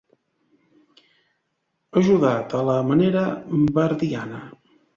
Ajudat a la manera verdiana.